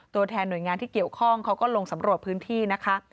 ตัวแทนหน่วยงานที่เกี่ยวข้องเขาก็ลงสำรวจพื้นที่นะคะ